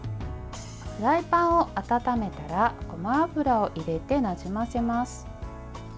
フライパンを温めたらごま油を入れて、なじませます。